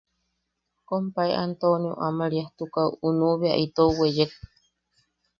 Kompae Antonio Amariastukaʼu nuʼu bea itou weyek.